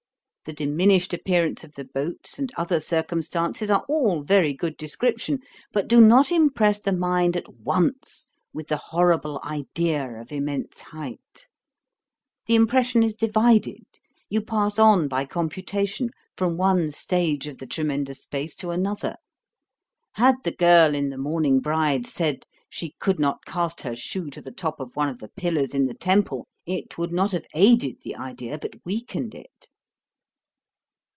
The diminished appearance of the boats, and other circumstances, are all very good description; but do not impress the mind at once with the horrible idea of immense height. The impression is divided; you pass on by computation, from one stage of the tremendous space to another. Had the girl in The Mourning Bride said, she could not cast her shoe to the top of one of the pillars in the temple, it would not have aided the idea, but weakened it.'